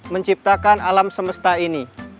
menciptakan alam semesta ini